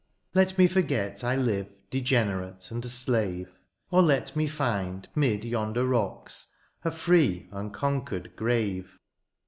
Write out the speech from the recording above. Let me forget I live Degenerate and a slave ; Or let me find, 'mid yonder rocks, A free, unconquered grave.